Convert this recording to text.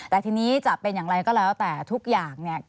แต่ทีนี้จะเป็นอย่างไรก็แล้วแต่ทุกอย่างเนี่ย